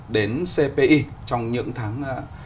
đến cpi trong những tháng